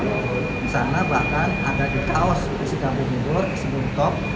di sana bahkan ada di taos persikabo jendor di sebuah top